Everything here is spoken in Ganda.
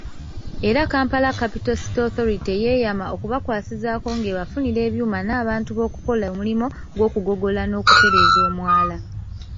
Era Kampala Capital City Authority yeeyama okubakwasizaako ng'ebafunira ebyuma n'abantu b'okukola omulimu gw'okugogola n'okutereeza omwala.